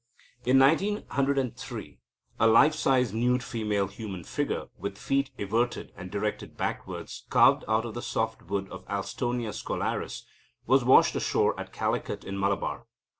In 1903, a life size nude female human figure with feet everted and directed backwards, carved out of the soft wood of Alstonia scholaris, was washed ashore at Calicut in Malabar.